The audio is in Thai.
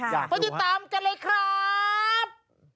ไปติดตามกันเลยครับ